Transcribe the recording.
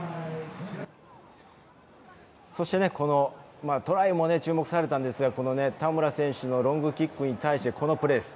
そしてこのトライも注目されたんですが、田村選手のロングキックに対して、このプレーです。